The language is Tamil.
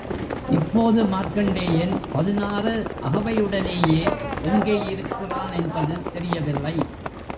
இப்போது மார்க்கண்டேயன் பதினாறு அகவையுடனேயே எங்கே இருக்கின்றான் என்பது தெரியவில்லை.